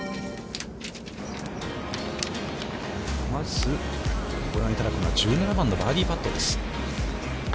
まず、ご覧いただくのは１７番のバーディーパットです。